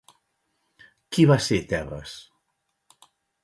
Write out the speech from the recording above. Qui va ser Tebes?